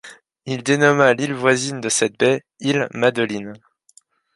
Il dénomma l'île voisine de cette baie, île Madeline.